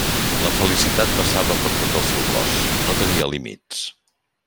La felicitat vessava per tot el seu cos, no tenia límits.